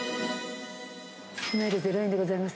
スマイルゼロ円でございます。